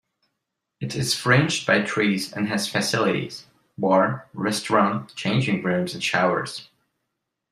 It is fringed by trees, and has facilities: bar, restaurant, changing rooms and showers.